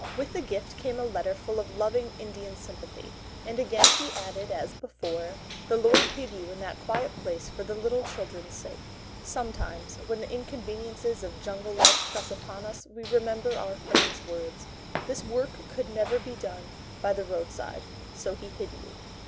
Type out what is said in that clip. With the gift came a letter full of loving, Indian sympathy; and again he added as before: "The Lord hid you in that quiet place for the little children's sake." Sometimes when the inconveniences of jungle life press upon us, we remember our friend's words: "This work could never have been done by the road side, so He hid you."